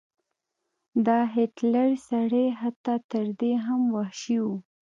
دا هټلر سړی حتی تر دې هم وحشي و.